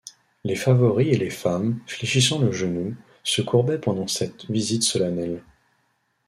Les favoris et les femmes, fléchissant le genou, se courbaient pendant cette visite solennelle.